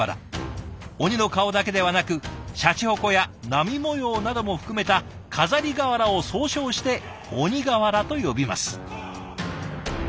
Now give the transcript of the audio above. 鬼の顔だけではなくシャチホコや波模様なども含めた飾り瓦を総称して鬼瓦と呼びます。